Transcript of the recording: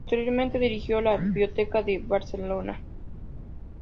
Posteriormente, dirigió la Biblioteca de Barcelona.